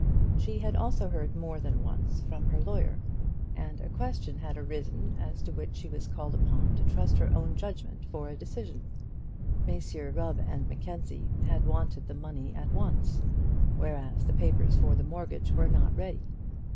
She had also heard more than once from her lawyer; and a question had arisen as to which she was called upon to trust to her own judgment for a decision. Messrs Rubb and Mackenzie had wanted the money at once, whereas the papers for the mortgage were not ready.